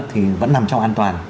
thì vẫn nằm trong an toàn